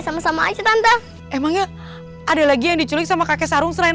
sama sama aja tante emangnya ada lagi yang diculik sama kakek sarung serai